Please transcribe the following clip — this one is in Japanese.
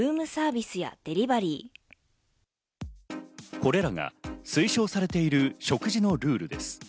これらが推奨されている食事のルールです。